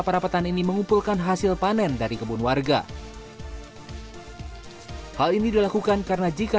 para petani ini mengumpulkan hasil panen dari kebun warga hal ini dilakukan karena jika